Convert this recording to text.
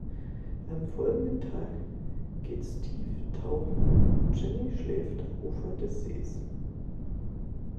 Am folgenden Tag geht Steve tauchen und Jenny schläft am Ufer des Sees.